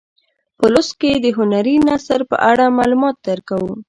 په لوست کې د هنري نثر په اړه معلومات درکوو.